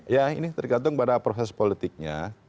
ya ini tergantung pada proses politiknya